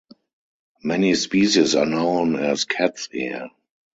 Many species are known as cat's ear.